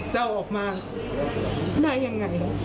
จะเอาออกมาได้ยังไง